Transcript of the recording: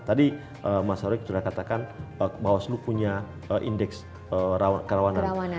tadi mas harwik sudah katakan bahwa seluruh punya indeks kerawanan